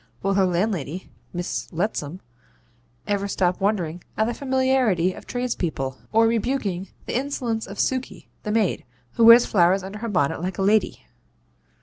Will her landlady, Miss Letsam, ever stop wondering at the familiarity of tradespeople, or rebuking the insolence of Suky, the maid, who wears flowers under her bonnet like a lady?